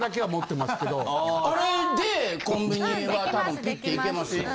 あれでコンビニは多分ピッていけますよ。